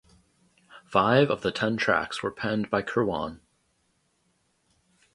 Five of the ten tracks were penned by Kirwan.